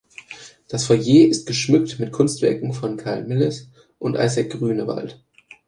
Das Foyer ist geschmückt mit Kunstwerken von Carl Milles und Isaac Grünewald.